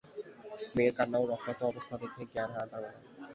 মেয়ের কান্না ও রক্তাক্ত অবস্থায় দেখে জ্ঞান হারান তার বাবা।